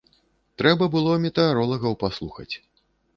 Трэба было метэаролагаў паслухаць.